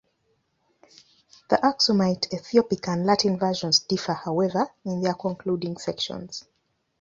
The Aksumite Ethiopic and Latin versions differ, however, in their concluding sections.